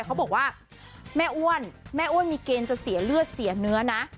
เขาบอกว่าแม่อ้วนแม่อ้วนมีเกณฑ์จะเสียเลือดเสียเนื้อนะ